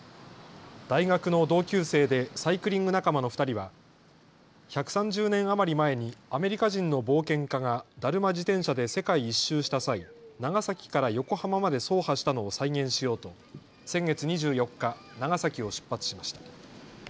大学の同級生でサイクリング仲間の２人は１３０年余り前にアメリカ人の冒険家がダルマ自転車で世界一周した際、長崎から横浜まで走破したのを再現しようと先月２４日、長崎を出発しました。